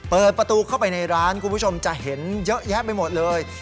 เปิดประตูเข้าไปในร้านคุณผู้ชมจะเห็นเยอะแยะไปหมดเลย